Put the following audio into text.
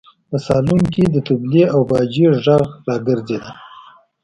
په سالون کې د تبلې او باجې غږ راګرځېده.